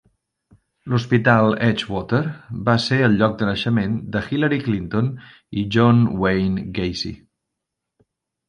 L'hospital Edgewater va ser el lloc de naixement de Hillary Clinton i John Wayne Gacy.